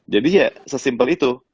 jadi ya sesimple itu